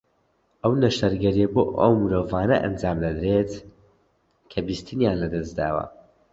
ئەو نەشتەرگەرییە بۆ ئەو مرۆڤانە ئەنجامدەدرێت کە بیستنیان لە دەست داوە